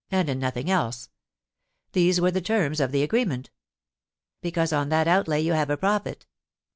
and in nothing else. These were the terms of the agreement." "Because on that outlay you have a profit."